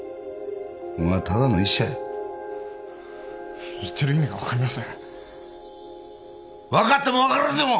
ただの医者や言ってる意味が分かりません分かっても分からなくても！